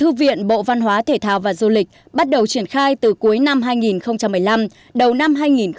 thư viện bộ văn hóa thể thao và du lịch bắt đầu triển khai từ cuối năm hai nghìn một mươi năm đầu năm hai nghìn một mươi chín